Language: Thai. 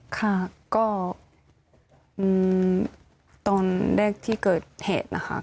ค่ะก็ตอนแรกที่เกิดเหตุนะคะ